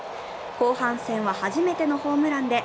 後半戦は初めてのホームランで